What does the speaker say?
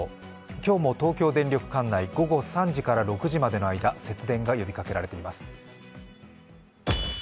今日も東京電力管内午後３時から６時の間、節電が呼びかけられています。